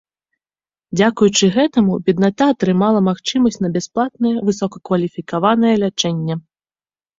Дзякуючы гэтаму бедната атрымала магчымасць на бясплатнае высокакваліфікаванае лячэнне.